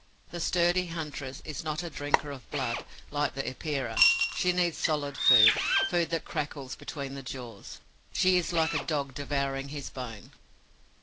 The sturdy huntress is not a drinker of blood, like the Epeira; she needs solid food, food that crackles between the jaws. She is like a Dog devouring his bone.